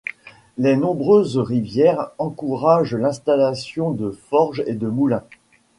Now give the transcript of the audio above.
Les nombreuses rivières encouragent l'installation de forges et de moulins.